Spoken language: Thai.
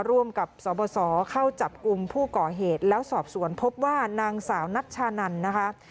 ร่วมกับสบสเข้าจับกลุ่มผู้ก่อเหตุแล้วสอบสวนพบว่านางสาวนัชชานันนะคะ